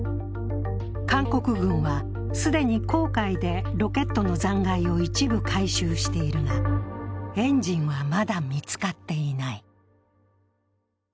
韓国軍は既に黄海でロケットの残骸を一部回収しているが、エンジンはまだ見つかっていない。